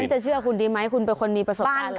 แต่ฉันจะเชื่อคุณดีไหมคุณเป็นคนมีประสบการณ์หลายอย่าง